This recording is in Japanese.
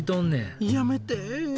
やめて！